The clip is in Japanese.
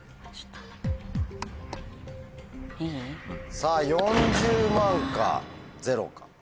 さぁ４０万かゼロか。